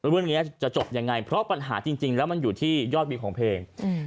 เรื่องนี้จะจบอย่างไรเพราะปัญหาจริงไม่อยู่ที่ยอดวิ่งของเพลง